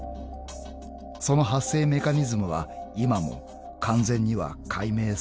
［その発生メカニズムは今も完全には解明されていない］